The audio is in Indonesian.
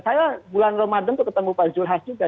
saya bulan ramadan ketemu pak julkifli hasan juga